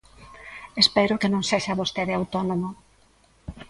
Espero que non sexa vostede autónomo.